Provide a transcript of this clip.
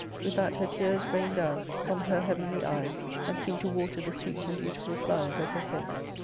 With that her tears rained down from her heavenly eyes, and seemed to water the sweet and beautiful flowers of her face.